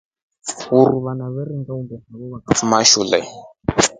Uruu vaana vikiringa uumbe sefo veshinda shule.